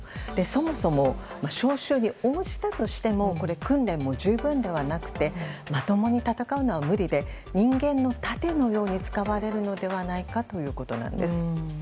そもそも、招集に応じたとしても訓練も十分ではなくてまともに戦うのは無理で人間の盾のように使われるのではないかということなんです。